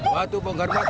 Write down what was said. waktu bongkar muat pak